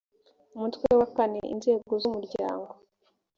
umutwe wa kaneinzego z umuryango